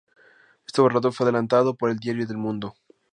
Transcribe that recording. Este borrador fue adelantado por el diario El Mundo.